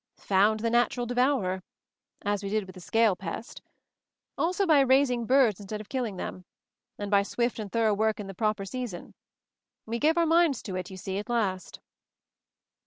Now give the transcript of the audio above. "Found the natural devourer — as we did with the scale pest. Also by raising birds instead of killing them; and by swift and thorough work in the proper sea son. We gave our minds to it, you see, at last."